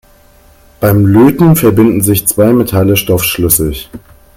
Beim Löten verbinden sich zwei Metalle stoffschlüssig.